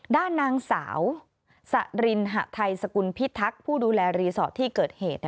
ด้านนางสาวสรินหะไทยสกุลพิทักษ์ผู้ดูแลรีสอร์ทที่เกิดเหตุ